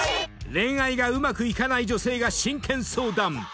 ［恋愛がうまくいかない女性が真剣相談。